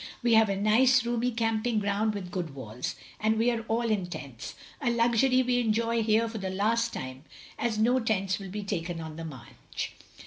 We have a nice roomy camping ground with good wells, and we are all in tents, a luxury we enjoy here for the last time, as no tents will he taken on the march.